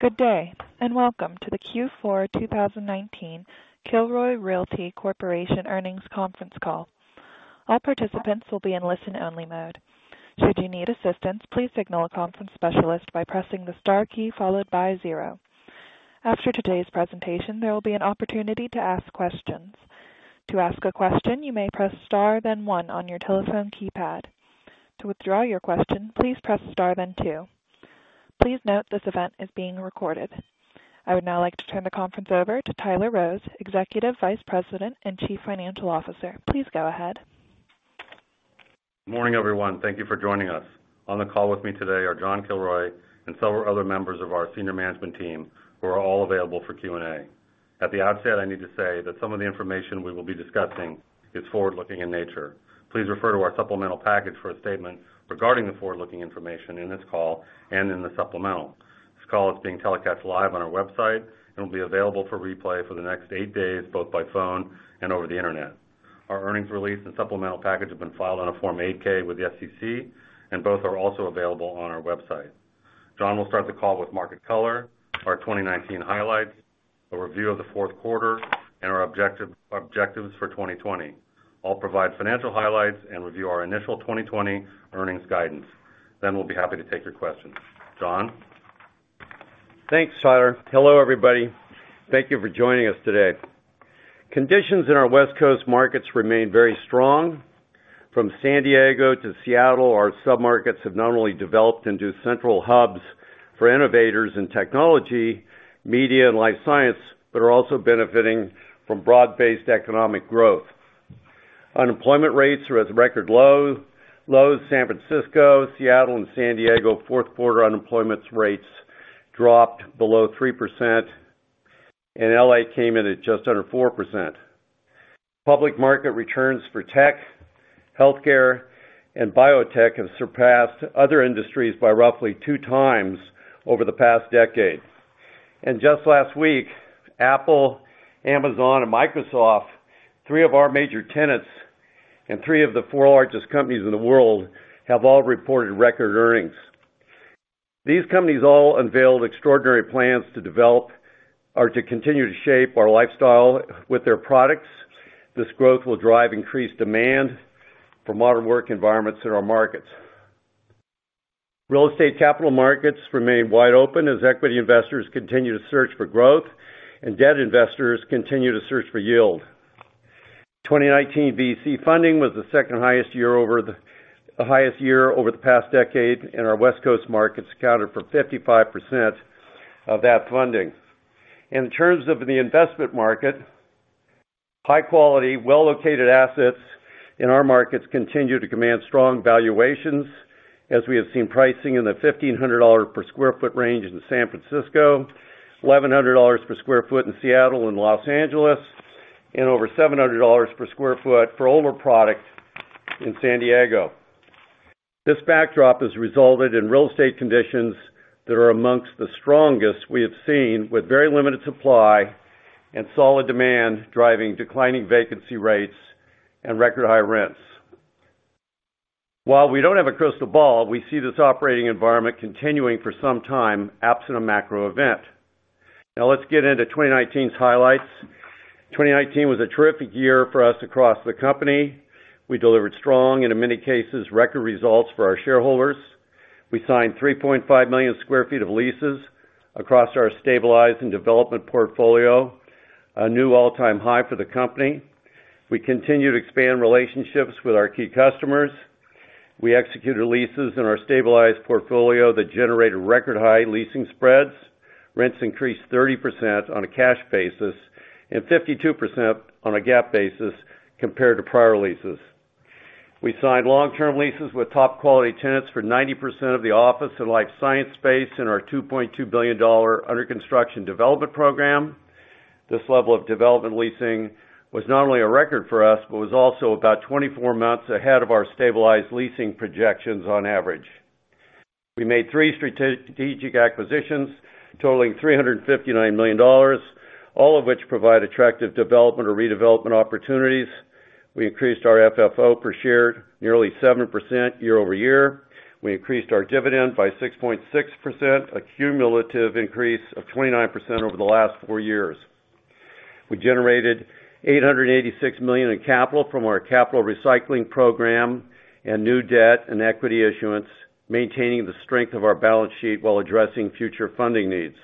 Good day, and welcome to the Q4 2019 Kilroy Realty Corporation earnings conference call. All participants will be in listen-only mode. Should you need assistance, please signal a conference specialist by pressing the star key followed by zero. After today's presentation, there will be an opportunity to ask questions. To ask a question, you may press star then one on your telephone keypad. To withdraw your question, please press star then two Please note this event is being recorded. I would now like to turn the conference over to Tyler Rose, Executive Vice President and Chief Financial Officer. Please go ahead. Morning, everyone. Thank you for joining us. On the call with me today are John Kilroy and several other members of our senior management team who are all available for Q&A. At the outset, I need to say that some of the information we will be discussing is forward-looking in nature. Please refer to our supplemental package for a statement regarding the forward-looking information in this call and in the supplemental. This call is being telecast live on our website and will be available for replay for the next eight days, both by phone and over the Internet. Our earnings release and supplemental package have been filed on a Form 8-K with the SEC, and both are also available on our website. John will start the call with market color, our 2019 highlights, a review of the fourth quarter, and our objectives for 2020. I'll provide financial highlights and review our initial 2020 earnings guidance. We'll be happy to take your questions. John? Thanks, Tyler. Hello, everybody. Thank you for joining us today. Conditions in our West Coast markets remain very strong. From San Diego to Seattle, our sub-markets have not only developed into central hubs for innovators in technology, media, and life science, but are also benefiting from broad-based economic growth. Unemployment rates are at the record low. San Francisco, Seattle, and San Diego, fourth quarter unemployment rates dropped below 3%, and LA came in at just under 4%. Public market returns for tech, healthcare, and biotech have surpassed other industries by roughly two times over the past decade. Just last week, Apple, Amazon, and Microsoft, three of our major tenants and three of the four largest companies in the world, have all reported record earnings. These companies all unveiled extraordinary plans to develop or to continue to shape our lifestyle with their products. This growth will drive increased demand for modern work environments in our markets. Real estate capital markets remain wide open as equity investors continue to search for growth and debt investors continue to search for yield. 2019 VC funding was the highest year over the past decade, and our West Coast markets accounted for 55% of that funding. In terms of the investment market, high-quality, well-located assets in our markets continue to command strong valuations as we have seen pricing in the $1,500 per sq ft range in San Francisco, $1,100 per sq ft in Seattle and Los Angeles, and over $700 per sq ft for older product in San Diego. This backdrop has resulted in real estate conditions that are amongst the strongest we have seen, with very limited supply and solid demand driving declining vacancy rates and record-high rents. While we don't have a crystal ball, we see this operating environment continuing for some time, absent a macro event. Let's get into 2019's highlights. 2019 was a terrific year for us across the company. We delivered strong, and in many cases, record results for our shareholders. We signed 3.5 million sq ft of leases across our stabilized and development portfolio, a new all-time high for the company. We continue to expand relationships with our key customers. We executed leases in our stabilized portfolio that generated record-high leasing spreads. Rents increased 30% on a cash basis and 52% on a GAAP basis compared to prior leases. We signed long-term leases with top-quality tenants for 90% of the office and life science space in our $2.2 billion under construction development program. This level of development leasing was not only a record for us, but was also about 24 months ahead of our stabilized leasing projections on average. We made three strategic acquisitions totaling $359 million, all of which provide attractive development or redevelopment opportunities. We increased our FFO per share nearly 7% year-over-year. We increased our dividend by 6.6%, a cumulative increase of 29% over the last four years. We generated $886 million in capital from our capital recycling program and new debt and equity issuance, maintaining the strength of our balance sheet while addressing future funding needs.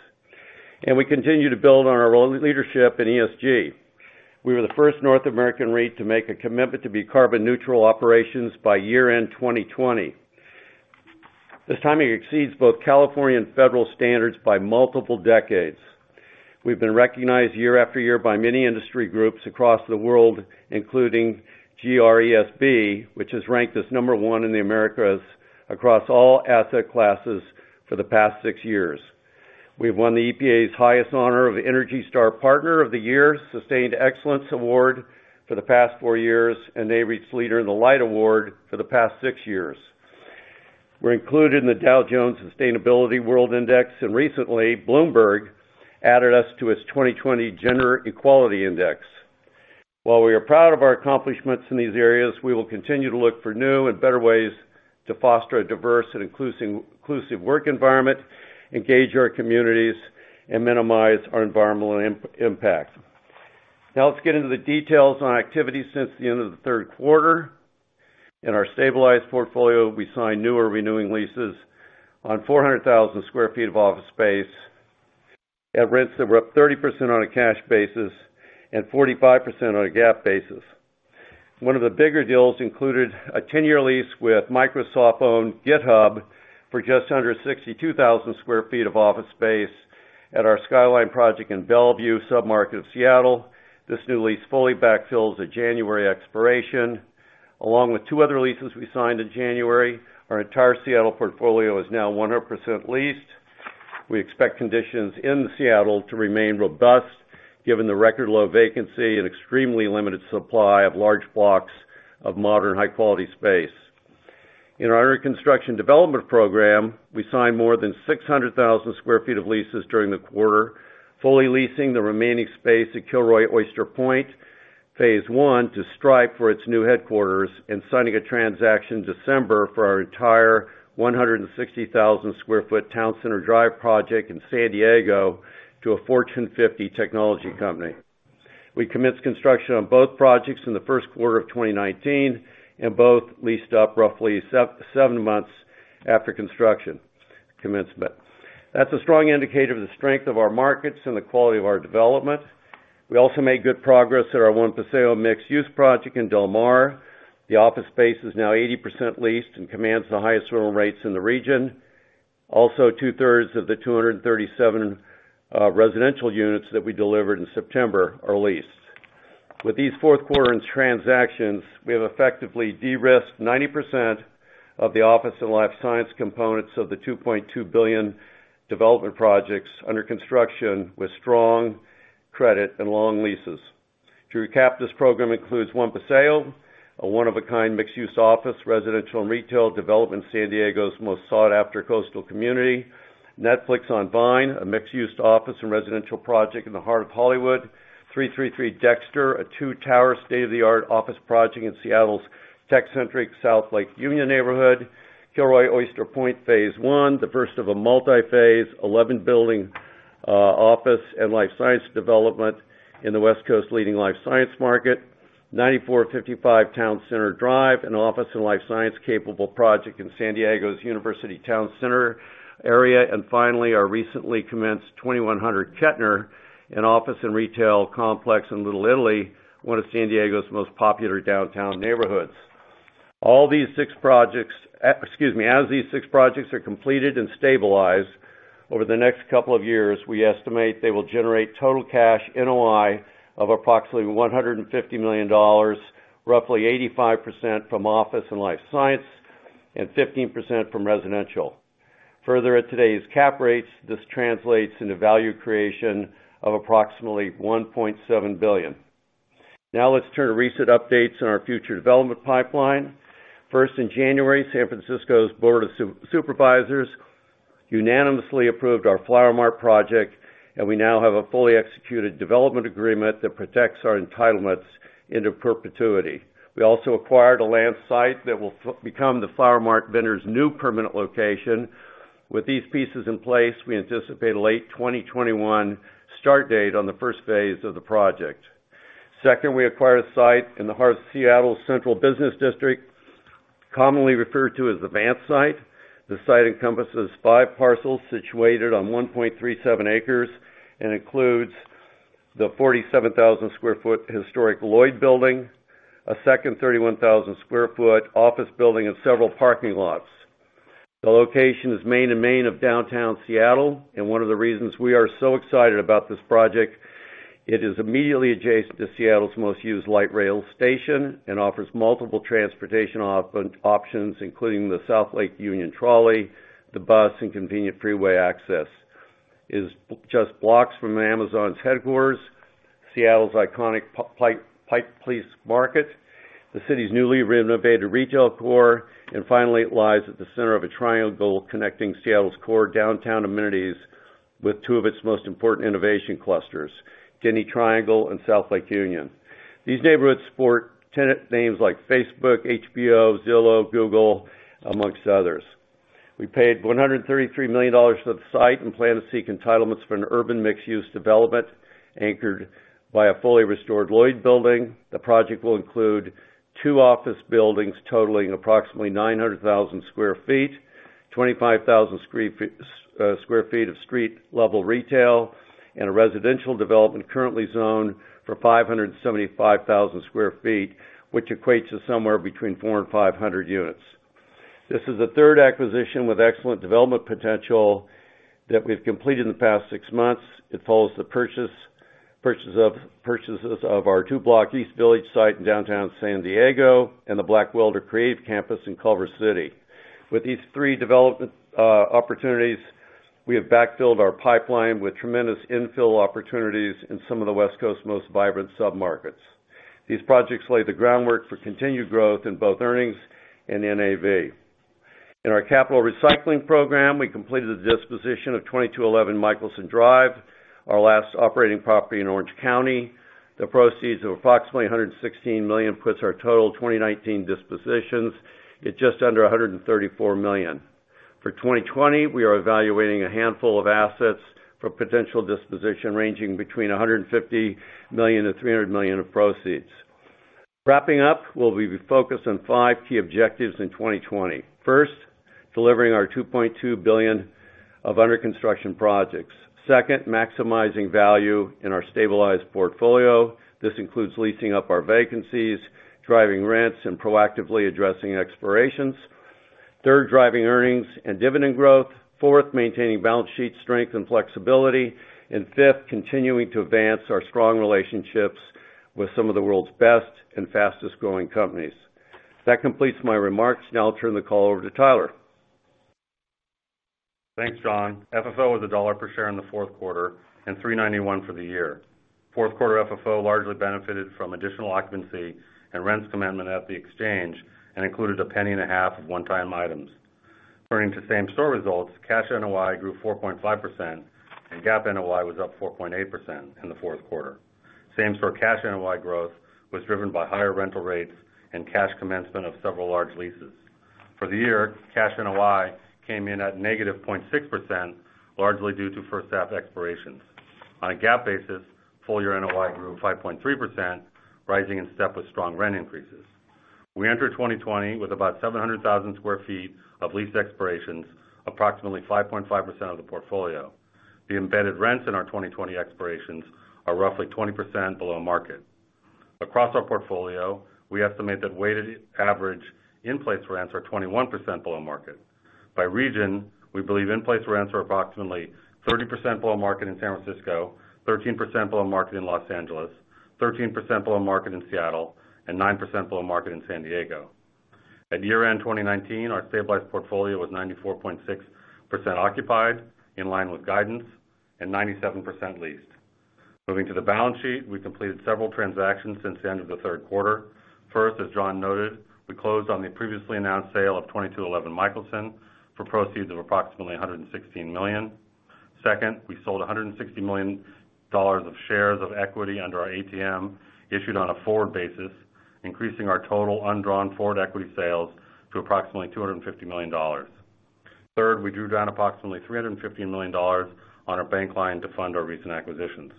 We continue to build on our leadership in ESG. We were the first North American REIT to make a commitment to be carbon-neutral operations by year-end 2020. This timing exceeds both California and federal standards by multiple decades. We've been recognized year after year by many industry groups across the world, including GRESB, which has ranked us number one in the Americas across all asset classes for the past six years. We've won the EPA's highest honor of ENERGY STAR Partner of the Year, Sustained Excellence Award for the past four years, and Nareit's Leader in the Light Award for the past six years. We're included in the Dow Jones Sustainability World Index, and recently, Bloomberg added us to its 2020 Gender-Equality Index. While we are proud of our accomplishments in these areas, we will continue to look for new and better ways to foster a diverse and inclusive work environment, engage our communities, and minimize our environmental impact. Now let's get into the details on activities since the end of the third quarter. In our stabilized portfolio, we signed new or renewing leases on 400,000 sq ft of office space at rents that were up 30% on a cash basis and 45% on a GAAP basis. One of the bigger deals included a 10-year lease with Microsoft-owned GitHub for just under 62,000 sq ft of office space at our Skyline project in Bellevue sub-market of Seattle. This new lease fully backfills a January expiration. Along with two other leases we signed in January, our entire Seattle portfolio is now 100% leased. We expect conditions in Seattle to remain robust, given the record low vacancy and extremely limited supply of large blocks of modern, high-quality space. In our construction development program, we signed more than 600,000 sq ft of leases during the quarter, fully leasing the remaining space at Kilroy Oyster Point, phase I, to Stripe for its new headquarters and signing a transaction in December for our entire 160,000 sq ft Town Center Drive project in San Diego to a Fortune 50 technology company. We commenced construction on both projects in the first quarter of 2019, and both leased up roughly seven months after construction commencement. That's a strong indicator of the strength of our markets and the quality of our development. We also made good progress at our One Paseo mixed-use project in Del Mar. The office space is now 80% leased and commands the highest rental rates in the region. Also, two-thirds of the 237 residential units that we delivered in September are leased. With these fourth-quarter transactions, we have effectively de-risked 90% of the office and life science components of the $2.2 billion development projects under construction, with strong credit and long leases. To recap, this program includes One Paseo, a one-of-a-kind mixed-use office, residential, and retail development in San Diego's most sought-after coastal community. Netflix on Vine, a mixed-use office and residential project in the heart of Hollywood. 333 Dexter, a two-tower, state-of-the-art office project in Seattle's tech-centric South Lake Union neighborhood. Kilroy Oyster Point phase I, the first of a multi-phase, 11-building office and life science development in the West Coast's leading life science market. 9455 Town Center Drive, an office and life science-capable project in San Diego's University Town Center area. And finally, our recently commenced 2100 Kettner, an office and retail complex in Little Italy, one of San Diego's most popular downtown neighborhoods. As these six projects are completed and stabilized over the next couple of years, we estimate they will generate total cash NOI of approximately $150 million, roughly 85% from office and life science, and 15% from residential. Further, at today's cap rates, this translates into value creation of approximately $1.7 billion. Now let's turn to recent updates on our future development pipeline. First, in January, San Francisco's Board of Supervisors unanimously approved our Flower Mart project, and we now have a fully executed development agreement that protects our entitlements into perpetuity. We also acquired a land site that will become the Flower Mart vendors' new permanent location. With these pieces in place, we anticipate a late 2021 start date on the first phase of the project. Second, we acquired a site in the heart of Seattle's Central Business District, commonly referred to as the Vance Site. The site encompasses five parcels situated on 1.37 acres and includes the 47,000 sq ft historic Lloyd Building, a second 31,000 sq ft office building, and several parking lots. The location is Main and Main of downtown Seattle, and one of the reasons we are so excited about this project, it is immediately adjacent to Seattle's most used light rail station and offers multiple transportation options, including the South Lake Union Trolley, the bus, and convenient freeway access. It is just blocks from Amazon's headquarters, Seattle's iconic Pike Place Market, the city's newly renovated retail core, and finally, it lies at the center of a triangle connecting Seattle's core downtown amenities with two of its most important innovation clusters, Denny Triangle and South Lake Union. These neighborhoods support tenant names like Facebook, HBO, Zillow, Google, amongst others. We paid $133 million for the site and plan to seek entitlements for an urban mixed-use development anchored by a fully restored Lloyd Building. The project will include two office buildings totaling approximately 900,000 sq ft, 25,000 sq ft of street-level retail, and a residential development currently zoned for 575,000 sq ft, which equates to somewhere between 400 and 500 units. This is the third acquisition with excellent development potential that we've completed in the past six months. It follows the purchases of our two-block East Village site in downtown San Diego and the Blackwelder Creative Campus in Culver City. With these three development opportunities, we have backfilled our pipeline with tremendous infill opportunities in some of the West Coast's most vibrant submarkets. These projects lay the groundwork for continued growth in both earnings and NAV. In our capital recycling program, we completed the disposition of 2211 Michelson Drive, our last operating property in Orange County. The proceeds of approximately $116 million puts our total 2019 dispositions at just under $134 million. For 2020, we are evaluating a handful of assets for potential disposition, ranging between $150 million-$300 million of proceeds. Wrapping up, we will be focused on five key objectives in 2020. First, delivering our $2.2 billion of under-construction projects. Second, maximizing value in our stabilized portfolio. This includes leasing up our vacancies, driving rents, and proactively addressing expirations. Third, driving earnings and dividend growth. Fourth, maintaining balance sheet strength and flexibility. Fifth, continuing to advance our strong relationships with some of the world's best and fastest-growing companies. That completes my remarks. I will turn the call over to Tyler. Thanks, John. FFO was $1 per share in the fourth quarter and $3.91 for the year. Fourth quarter FFO largely benefited from additional occupancy and rents commencement at The Exchange and included $0.015 of one-time items. Turning to same-store results, cash NOI grew 4.5%, and GAAP NOI was up 4.8% in the fourth quarter. Same-store cash NOI growth was driven by higher rental rates and cash commencement of several large leases. For the year, cash NOI came in at -0.6%, largely due to first half expirations. On a GAAP basis, full-year NOI grew 5.3%, rising in step with strong rent increases. We enter 2020 with about 700,000 sq ft of lease expirations, approximately 5.5% of the portfolio. The embedded rents in our 2020 expirations are roughly 20% below market. Across our portfolio, we estimate that weighted average in-place rents are 21% below market. By region, we believe in-place rents are approximately 30% below market in San Francisco, 13% below market in Los Angeles, 13% below market in Seattle, and 9% below market in San Diego. At year-end 2019, our stabilized portfolio was 94.6% occupied, in line with guidance, and 97% leased. Moving to the balance sheet, we completed several transactions since the end of the third quarter. First, as John noted, we closed on the previously announced sale of 2211 Michelson for proceeds of approximately $116 million. Second, we sold $160 million of shares of equity under our ATM, issued on a forward basis, increasing our total undrawn forward equity sales to approximately $250 million. Third, we drew down approximately $315 million on our bank line to fund our recent acquisitions.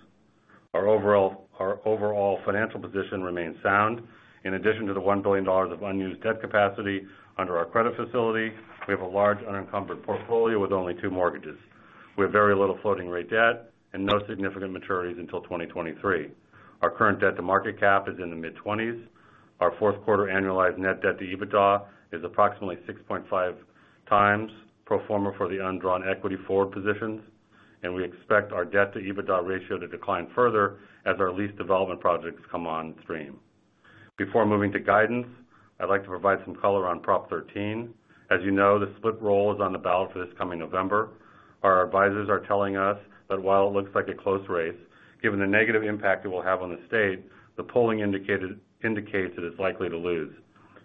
Our overall financial position remains sound. In addition to the $1 billion of unused debt capacity under our credit facility, we have a large unencumbered portfolio with only two mortgages. We have very little floating rate debt and no significant maturities until 2023. Our current debt to market cap is in the mid-20s. Our fourth quarter annualized net debt to EBITDA is approximately 6.5x pro forma for the undrawn equity forward positions, and we expect our debt to EBITDA ratio to decline further as our lease development projects come on stream. Before moving to guidance, I'd like to provide some color on Prop 13. As you know, the split roll is on the ballot for this coming November. Our advisors are telling us that while it looks like a close race, given the negative impact it will have on the state, the polling indicates that it's likely to lose.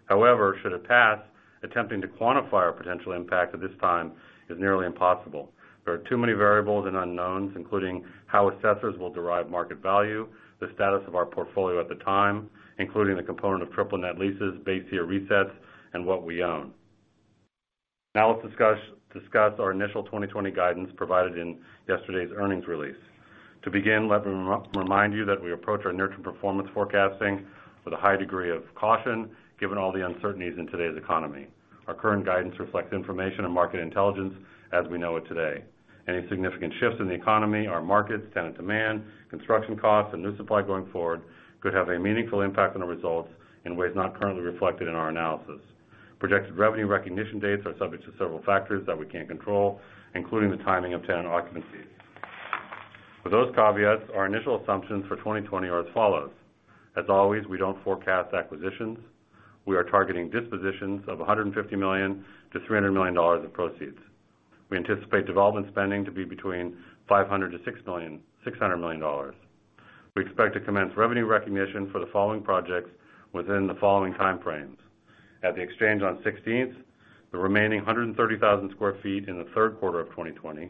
However, should it pass, attempting to quantify our potential impact at this time is nearly impossible. There are too many variables and unknowns, including how assessors will derive market value, the status of our portfolio at the time, including the component of triple net leases, base year resets, and what we own. Now let's discuss our initial 2020 guidance provided in yesterday's earnings release. To begin, let me remind you that we approach our near-term performance forecasting with a high degree of caution, given all the uncertainties in today's economy. Our current guidance reflects information and market intelligence as we know it today. Any significant shifts in the economy, our markets, tenant demand, construction costs, and new supply going forward could have a meaningful impact on our results in ways not currently reflected in our analysis. Projected revenue recognition dates are subject to several factors that we can't control, including the timing of tenant occupancy. With those caveats, our initial assumptions for 2020 are as follows. As always, we don't forecast acquisitions. We are targeting dispositions of $150 million-$300 million in proceeds. We anticipate development spending to be between $500 million-$600 million. We expect to commence revenue recognition for the following projects within the following time frames. At The Exchange on 16th, the remaining 130,000 sq ft in the third quarter of 2020.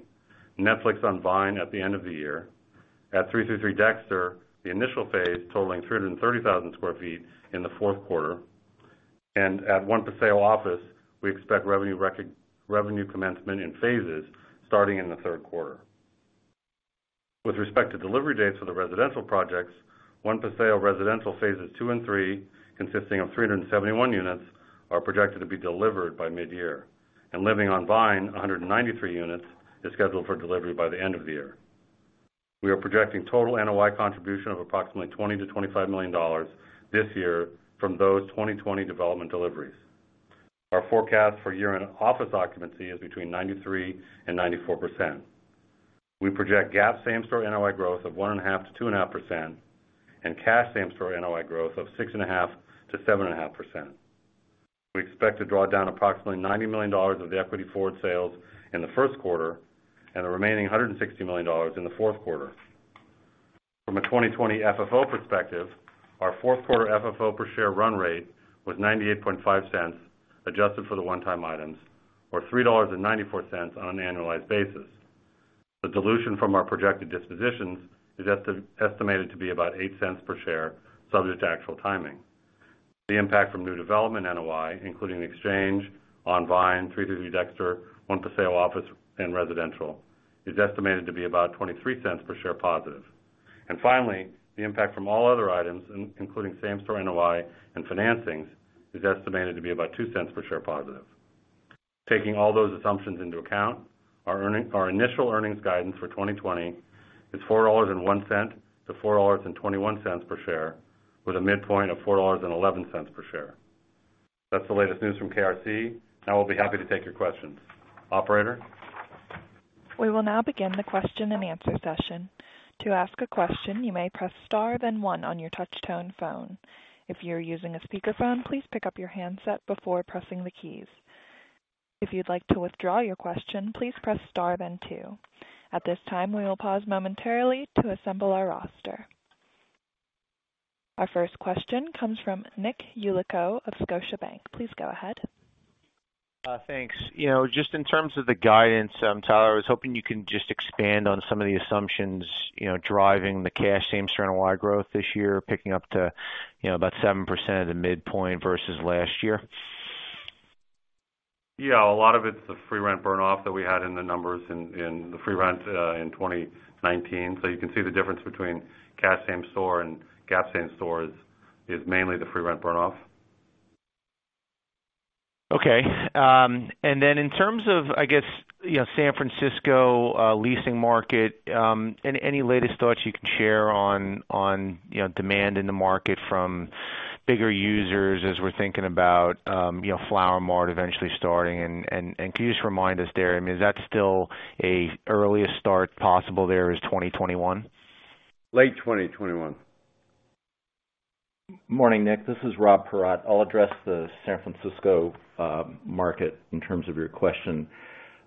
Netflix on Vine at the end of the year. At 333 Dexter, the initial phase totaling 330,000 sq ft in the fourth quarter. At One Paseo Office, we expect revenue commencement in phases starting in the third quarter. With respect to delivery dates for the residential projects, One Paseo residential phases two and three, consisting of 371 units, are projected to be delivered by mid-year, and Living on Vine, 193 units, is scheduled for delivery by the end of the year. We are projecting total NOI contribution of approximately $20 million-$25 million this year from those 2020 development deliveries. Our forecast for year-end office occupancy is between 93% and 94%. We project GAAP same store NOI growth of 1.5%-2.5%, and cash same store NOI growth of 6.5%-7.5%. We expect to draw down approximately $90 million of the equity forward sales in the first quarter and the remaining $160 million in the fourth quarter. From a 2020 FFO perspective, our fourth quarter FFO per share run rate was $0.985, adjusted for the one-time items, or $3.94 on an annualized basis. The dilution from our projected dispositions is estimated to be about $0.08 per share, subject to actual timing. The impact from new development NOI, including The Exchange, On Vine, 333 Dexter, One Paseo office and residential, is estimated to be about $0.23 per share positive. Finally, the impact from all other items, including same-store NOI and financings, is estimated to be about $0.02 per share positive. Taking all those assumptions into account, our initial earnings guidance for 2020 is $4.01-$4.21 per share, with a midpoint of $4.11 per share. That's the latest news from KRC. Now we'll be happy to take your questions. Operator? We will now begin the question and answer session. To ask a question, you may press star then one on your touch-tone phone. If you are using a speakerphone, please pick up your handset before pressing the keys. If you would like to withdraw your question, please press star then two. At this time, we will pause momentarily to assemble our roster. Our first question comes from Nick Yulico of Scotiabank. Please go ahead. Thanks. Just in terms of the guidance, Tyler, I was hoping you can just expand on some of the assumptions driving the cash same-store NOI growth this year, picking up to about 7% at the midpoint versus last year. A lot of it's the free rent burn-off that we had in the numbers in the free rent in 2019. You can see the difference between cash same store and GAAP same store is mainly the free rent burn-off. Okay. In terms of San Francisco leasing market, any latest thoughts you can share on demand in the market from bigger users as we're thinking about Flower Mart eventually starting? Can you just remind us there, is that still a earliest start possible there is 2021? Late 2021. Morning, Nick. This is Rob Paratte. I'll address the San Francisco market in terms of your question.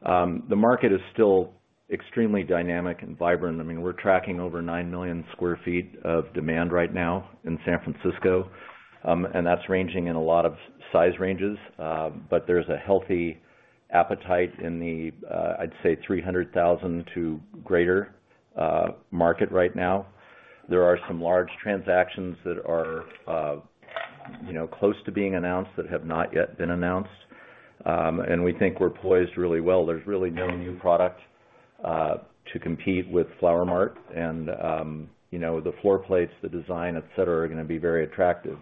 The market is still extremely dynamic and vibrant. We're tracking over 9 million sq ft of demand right now in San Francisco, and that's ranging in a lot of size ranges. There's a healthy appetite in the, I'd say, 300,000 to greater market right now. There are some large transactions that are close to being announced that have not yet been announced. We think we're poised really well. There's really no new product to compete with Flower Mart. The floor plates, the design, et cetera, are going to be very attractive.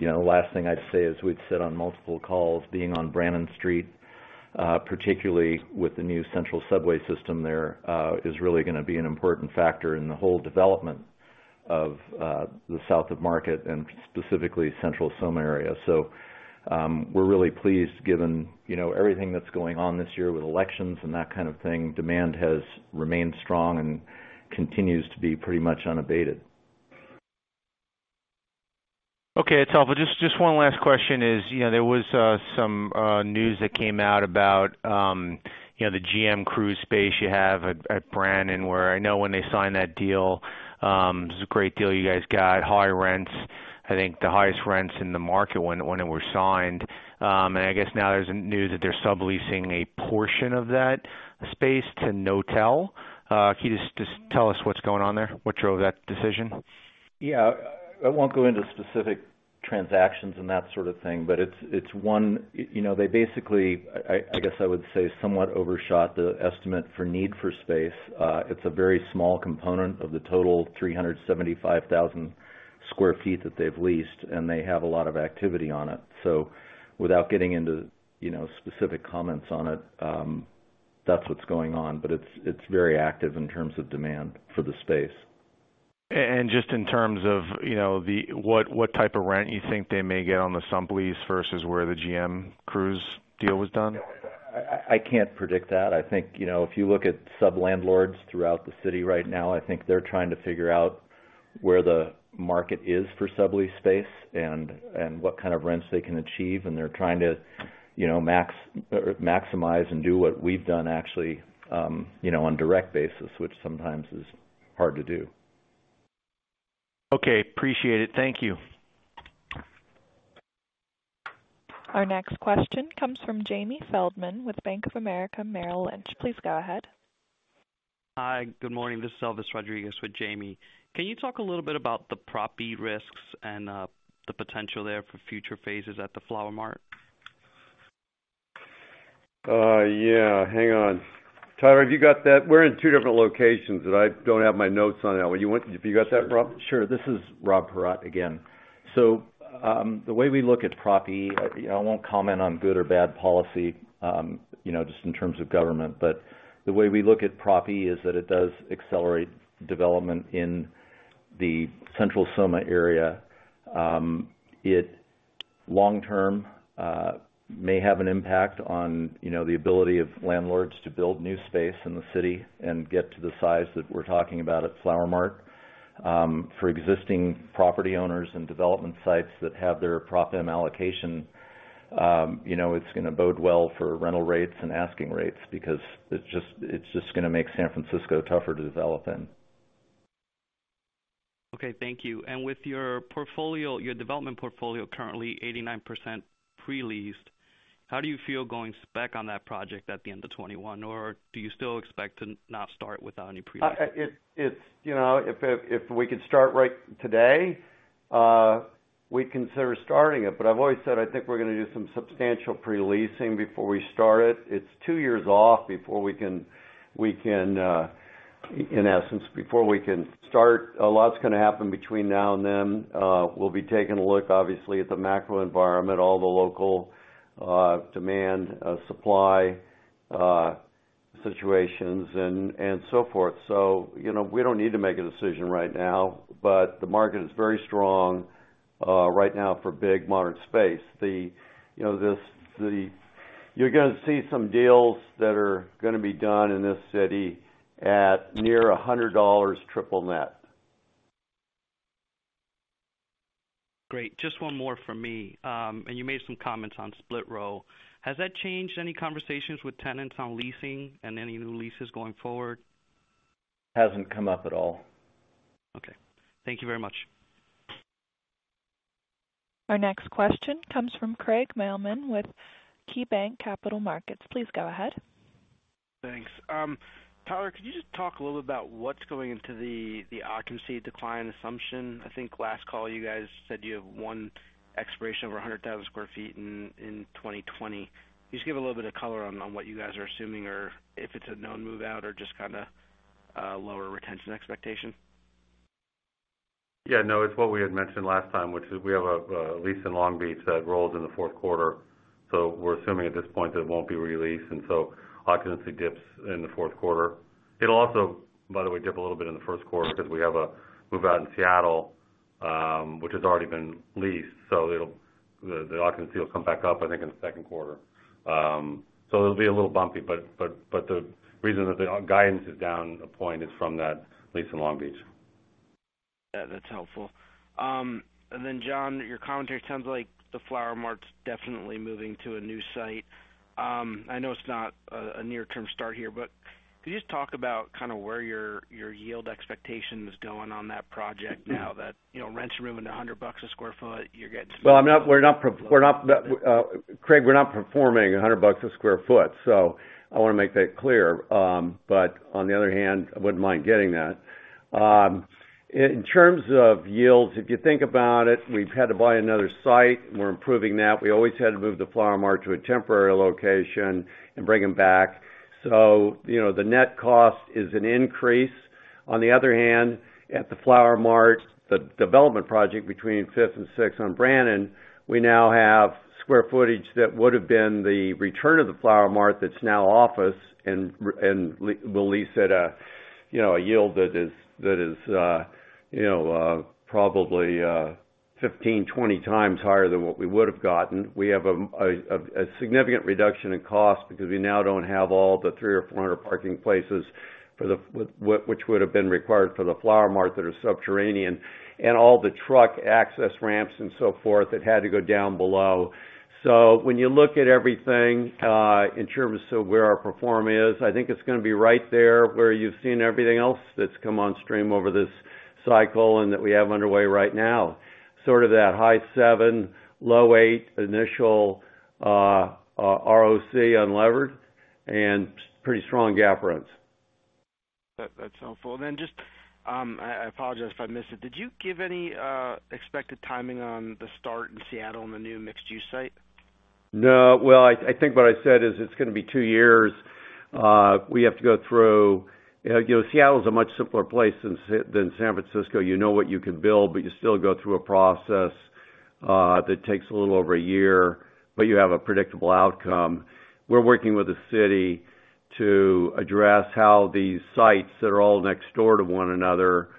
Last thing I'd say is we'd sit on multiple calls being on Brannan Street, particularly with the new central subway system there, is really going to be an important factor in the whole development of the South of Market and specifically Central SoMa area. We're really pleased given everything that's going on this year with elections and that kind of thing. Demand has remained strong and continues to be pretty much unabated. Okay, it's helpful. Just one last question is, there was some news that came out about the GM Cruise space you have at Brannan, where I know when they signed that deal, it was a great deal you guys got. High rents. I think the highest rents in the market when it was signed. I guess now there's news that they're subleasing a portion of that space to Nortel. Can you just tell us what's going on there? What drove that decision? Yeah. I won't go into specific transactions and that sort of thing. They basically, I guess I would say, somewhat overshot the estimate for need for space. It's a very small component of the total 375,000 sq ft that they've leased, and they have a lot of activity on it. Without getting into specific comments on it, that's what's going on. It's very active in terms of demand for the space. Just in terms of what type of rent you think they may get on the sublease versus where the GM Cruise deal was done? I can't predict that. I think if you look at sublandlords throughout the city right now, I think they're trying to figure out where the market is for sublease space and what kind of rents they can achieve, and they're trying to maximize and do what we've done actually on direct basis, which sometimes is hard to do. Okay. Appreciate it. Thank you. Our next question comes from Jamie Feldman with Bank of America Merrill Lynch. Please go ahead. Hi, good morning. This is Elvis Rodriguez with Jamie. Can you talk a little bit about the Prop E risks and the potential there for future phases at the Flower Mart? Yeah. Hang on. Tyler, have you got that? We're in two different locations, and I don't have my notes on that one. Have you got that, Rob? Sure. This is Rob Paratte again. The way we look at Prop E, I won't comment on good or bad policy, just in terms of government. The way we look at Prop E is that it does accelerate development in the Central SoMa area. It, long-term, may have an impact on the ability of landlords to build new space in the city and get to the size that we're talking about at Flower Mart. For existing property owners and development sites that have their Prop M allocation It's going to bode well for rental rates and asking rates because it's just going to make San Francisco tougher to develop in. Okay, thank you. With your development portfolio currently 89% pre-leased, how do you feel going back on that project at the end of 2021? Do you still expect to not start without any pre-lease? If we could start right today, we'd consider starting it. I've always said, I think we're going to do some substantial pre-leasing before we start it. It's two years off, in essence, before we can start. A lot's going to happen between now and then. We'll be taking a look, obviously, at the macro environment, all the local demand, supply situations, and so forth. We don't need to make a decision right now. The market is very strong right now for big modern space. You're going to see some deals that are going to be done in this city at near $100 triple net. Great. Just one more from me. You made some comments on split roll. Has that changed any conversations with tenants on leasing and any new leases going forward? Hasn't come up at all. Okay. Thank you very much. Our next question comes from Craig Mailman with KeyBanc Capital Markets. Please go ahead. Thanks. Tyler, could you just talk a little bit about what's going into the occupancy decline assumption? I think last call, you guys said you have one expiration over 100,000 sq ft in 2020. Can you just give a little bit of color on what you guys are assuming, or if it's a known move-out or just kind of a lower retention expectation? Yeah, no, it's what we had mentioned last time, which is we have a lease in Long Beach that rolls in the fourth quarter. We're assuming at this point that it won't be re-leased. Occupancy dips in the fourth quarter. It'll also, by the way, dip a little bit in the first quarter because we have a move-out in Seattle, which has already been leased. The occupancy will come back up, I think, in the second quarter. It'll be a little bumpy, but the reason that the guidance is down a point is from that lease in Long Beach. Yeah, that's helpful. John, your commentary sounds like the Flower Mart's definitely moving to a new site. I know it's not a near-term start here, but could you just talk about kind of where your yield expectation is going on that project now that rent's moving to $100 a sq ft? Craig, we're not performing $100 a sq ft. I want to make that clear. On the other hand, I wouldn't mind getting that. In terms of yields, if you think about it, we've had to buy another site. We're improving that. We always had to move the Flower Mart to a temporary location and bring them back. The net cost is an increase. On the other hand, at the Flower Mart, the development project between fifth and sixth on Brannan, we now have sq footage that would've been the return of the Flower Mart that's now office, and we'll lease at a yield that is probably 15, 20 times higher than what we would've gotten. We have a significant reduction in cost because we now don't have all the 300 or 400 parking places which would've been required for the Flower Mart that are subterranean, and all the truck access ramps and so forth that had to go down below. When you look at everything in terms of where our pro forma is, I think it's going to be right there where you've seen everything else that's come on stream over this cycle and that we have underway right now. Sort of that high seven, low eight initial ROC unlevered, and pretty strong GAAP runs. That's helpful. Then just, I apologize if I missed it. Did you give any expected timing on the start in Seattle on the new mixed-use site? No. Well, I think what I said is it's going to be two years. We have to go through Seattle's a much simpler place than San Francisco. You know what you can build, but you still go through a process that takes a little over a year, but you have a predictable outcome. We're working with the city to address how these sites that are all next door to one another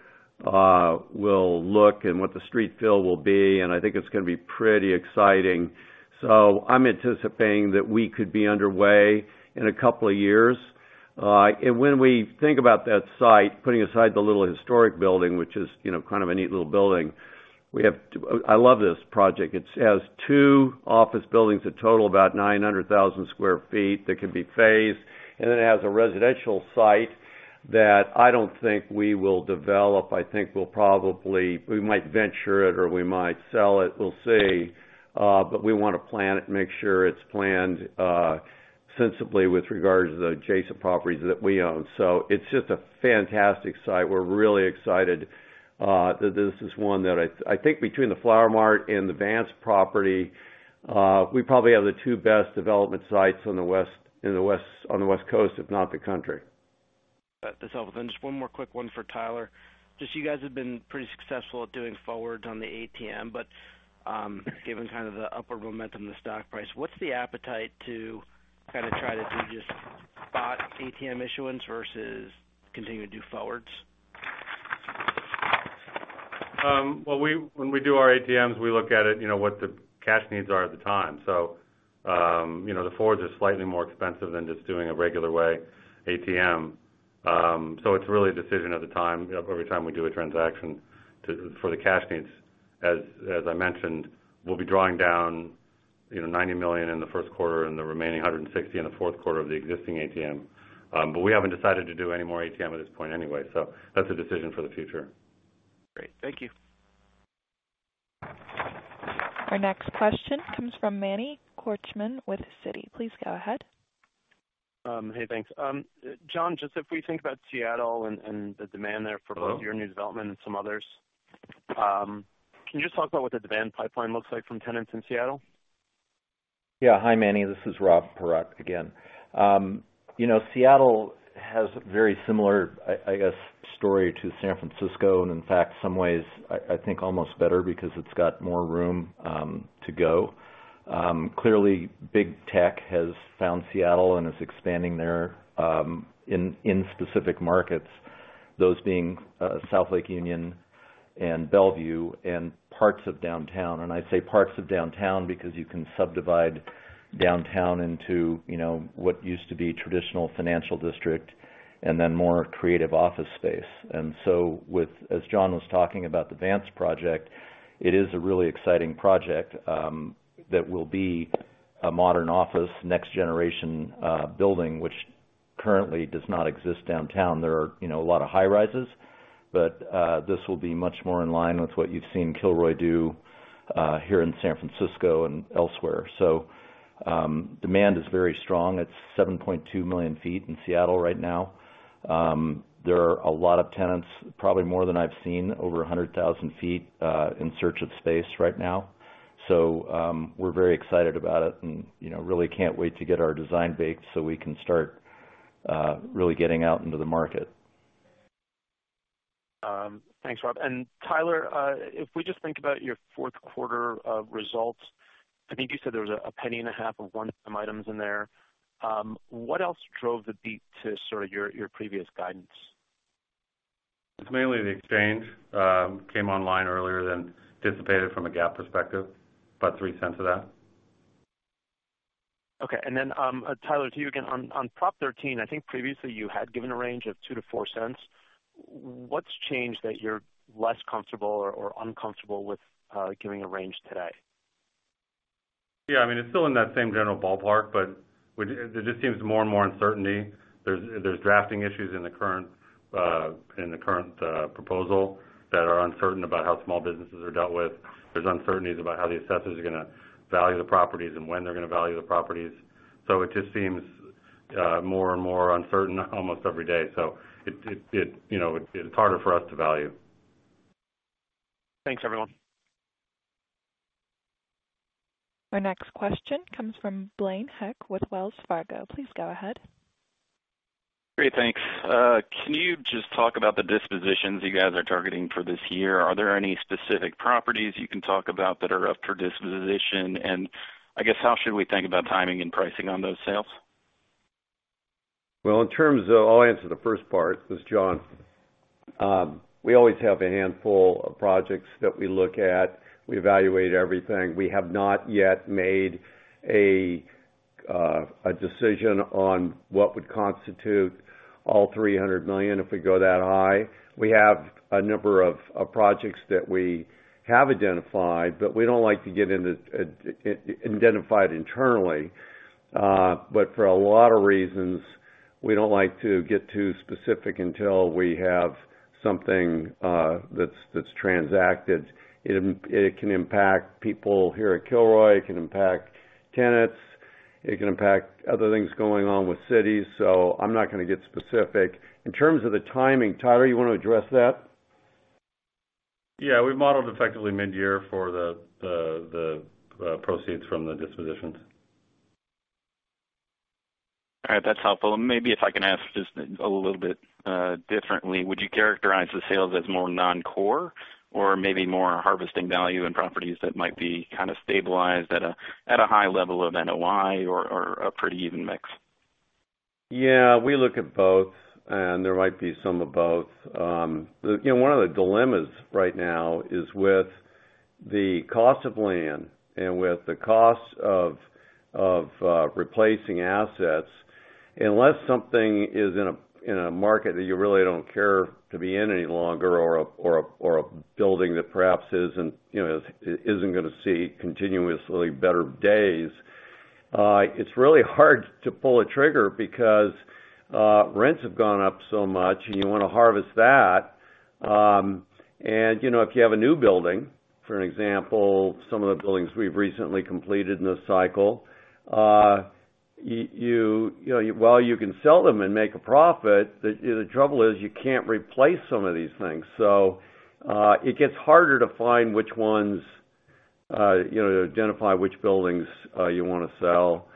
will look and what the street fill will be, and I think it's going to be pretty exciting. I'm anticipating that we could be underway in a couple of years. When we think about that site, putting aside the little historic building, which is kind of a neat little building. I love this project. It has two office buildings that total about 900,000 sq ft that can be phased. It has a residential site that I don't think we will develop. I think we might venture it, or we might sell it. We'll see. We want to plan it and make sure it's planned sensibly with regards to the adjacent properties that we own. It's just a fantastic site. We're really excited that this is one that I think between the Flower Mart and the Vance property, we probably have the two best development sites on the West Coast, if not the country. That's helpful. Just one more quick one for Tyler. Just you guys have been pretty successful at doing forwards on the ATM, but given kind of the upward momentum of the stock price, what's the appetite to kind of try to do just spot ATM issuance versus continue to do forwards? When we do our ATMs, we look at it, what the cash needs are at the time. The forwards are slightly more expensive than just doing a regular way ATM. It's really a decision every time we do a transaction for the cash needs. As I mentioned, we'll be drawing down $90 million in the first quarter and the remaining $160 million in the fourth quarter of the existing ATM. We haven't decided to do any more ATM at this point anyway. That's a decision for the future. Great. Thank you. Our next question comes from Manny Korchman with Citi. Please go ahead. Hey, thanks. John, just if we think about Seattle and the demand there for both your new development and some others, can you just talk about what the demand pipeline looks like from tenants in Seattle? Hi, Manny. This is Rob Paratte again. Seattle has a very similar, I guess, story to San Francisco, and in fact, some ways, I think almost better because it's got more room to go. Clearly, big tech has found Seattle and is expanding there in specific markets, those being South Lake Union and Bellevue and parts of downtown. I say parts of downtown because you can subdivide downtown into what used to be traditional financial district and then more creative office space. As John was talking about the Vance project, it is a really exciting project that will be a modern office, next-generation building, which currently does not exist downtown. There are a lot of high-rises, this will be much more in line with what you've seen Kilroy do here in San Francisco and elsewhere. Demand is very strong. It's 7.2 million feet in Seattle right now. There are a lot of tenants, probably more than I've seen, over 100,000 ft, in search of space right now. We're very excited about it and really can't wait to get our design baked so we can start really getting out into the market. Thanks, Rob. Tyler, if we just think about your fourth quarter results, I think you said there was $0.015 of one-time items in there. What else drove the beat to sort of your previous guidance? It's mainly the exchange came online earlier than anticipated from a GAAP perspective, about $0.03 of that. Okay. Tyler, to you again. On Prop 13, I think previously you had given a range of $0.02-$0.04. What's changed that you're less comfortable or uncomfortable with giving a range today? Yeah, it's still in that same general ballpark, but there just seems more and more uncertainty. There's drafting issues in the current proposal that are uncertain about how small businesses are dealt with. There's uncertainties about how the assessors are going to value the properties and when they're going to value the properties. It just seems more and more uncertain almost every day. It's harder for us to value. Thanks, everyone. Our next question comes from Blaine Heck with Wells Fargo. Please go ahead. Great. Thanks. Can you just talk about the dispositions you guys are targeting for this year? Are there any specific properties you can talk about that are up for disposition? I guess, how should we think about timing and pricing on those sales? Well, I'll answer the first part. This is John. We always have a handful of projects that we look at. We evaluate everything. We have not yet made a decision on what would constitute all $300 million, if we go that high. We have a number of projects that we have identified, we don't like to get into it identified internally. For a lot of reasons, we don't like to get too specific until we have something that's transacted. It can impact people here at Kilroy. It can impact tenants. It can impact other things going on with cities. I'm not going to get specific. In terms of the timing, Tyler, you want to address that? Yeah. We've modeled effectively mid-year for the proceeds from the dispositions. All right. That's helpful. Maybe if I can ask just a little bit differently, would you characterize the sales as more non-core or maybe more harvesting value in properties that might be kind of stabilized at a high level of NOI or a pretty even mix? Yeah, we look at both, and there might be some of both. One of the dilemmas right now is with the cost of land and with the cost of replacing assets. Unless something is in a market that you really don't care to be in any longer or a building that perhaps isn't going to see continuously better days, it's really hard to pull a trigger because rents have gone up so much, and you want to harvest that. If you have a new building, for an example, some of the buildings we've recently completed in this cycle, while you can sell them and make a profit, the trouble is you can't replace some of these things. It gets harder to find which ones, to identify which buildings you want to sell.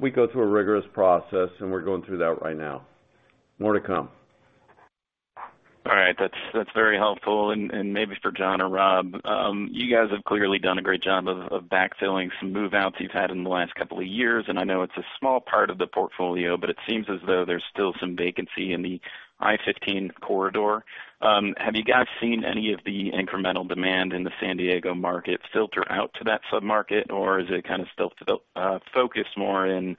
We go through a rigorous process, and we're going through that right now. More to come. All right. That's very helpful. Maybe for John or Rob, you guys have clearly done a great job of backfilling some move-outs you've had in the last couple of years, and I know it's a small part of the portfolio, but it seems as though there's still some vacancy in the I-15 corridor. Have you guys seen any of the incremental demand in the San Diego market filter out to that sub-market, or is it kind of still focused more in